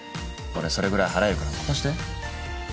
俺それぐらい払えるから任して。